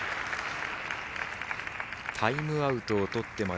タイムアウトをとってまで